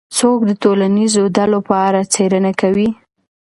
څوک د ټولنیزو ډلو په اړه څېړنه کوي؟